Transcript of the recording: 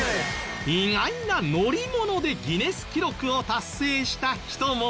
意外な乗り物でギネス記録を達成した人も。